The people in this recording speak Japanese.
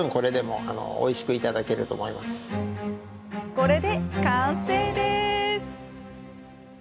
これで完成です！